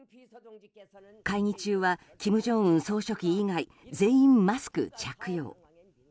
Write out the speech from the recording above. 会議中は金正恩総書記以外全員マスク着用。